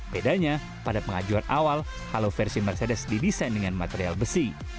bedanya pada pengajuan awal halo versi mercedes didesain dengan material besi